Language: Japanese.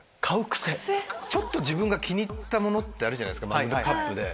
ちょっと自分が気に入ったものってあるじゃないですかマグカップで。